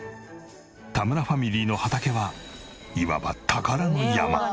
田村ファミリーの畑はいわば宝の山。